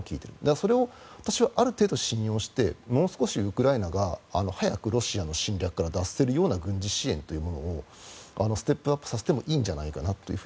それを私はある程度信用してもう少しウクライナがロシアの侵略から早く脱せるような軍事支援というものをステップアップさせてもいいんじゃないかなと。